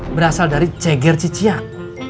berasal dari ceger ciciak